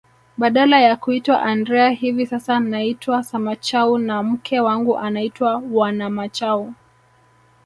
Badala ya kuitwa Andrea hivi sasa naitwa Samachau na mke wangu anaitwa Wanamachau